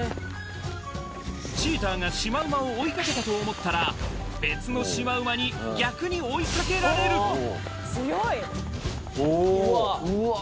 チーターがシマウマを追いかけたと思ったら別のシマウマに逆に追いかけられるおおうわ